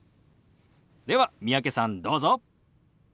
では三宅さんどうぞ。